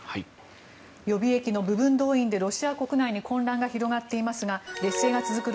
予備役の部分動員でロシア国内に混乱が広がっていますが劣勢が続く